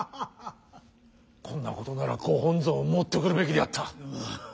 こんなことならご本尊を持ってくるべきであった。